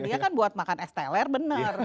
dia kan buat makan es teler benar